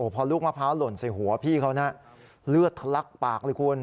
พอลูกมะพร้าวหล่นใส่หัวพี่เขานะเลือดทะลักปากเลยคุณ